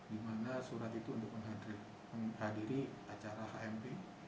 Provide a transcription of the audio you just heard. dimana surat itu untuk menghadiri acara hmp